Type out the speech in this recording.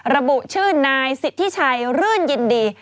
ระบุชื่อนายสิทธิ์ที่ใช้รื่นยินดี